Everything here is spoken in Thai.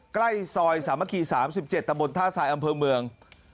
ใกล้ซอยสามัคคี๓๗ตะบนท่าทรายอำเภอเมือง